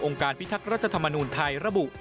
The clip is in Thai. การพิทักษ์รัฐธรรมนูญไทยระบุ